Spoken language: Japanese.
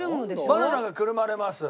バナナがくるまれます。